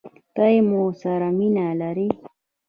ته يې مو سره مينه لرې؟